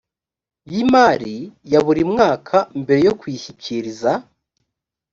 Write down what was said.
y imari ya buri mwaka mbere yo kuyishyikiriza